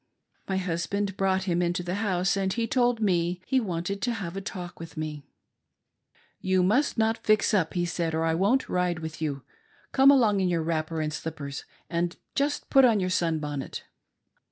My husband brought him into the house and he told me he wanted to have a talk with me, " You must not fix up," he said, " or I won't ride with you. Come along in your wrapper and slippers, and just put on your sunbonnet."